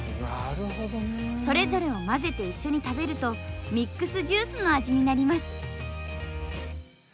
それぞれを混ぜて一緒に食べるとミックスジュースの味になります。